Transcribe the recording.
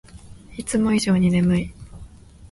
いつも以上に眠い